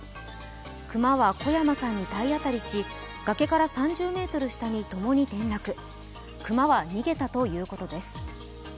熊は小山さんに体当たりし崖から３０ｍ下にともに転落、熊は逃げたということです。